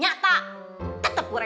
iya salah ada ancur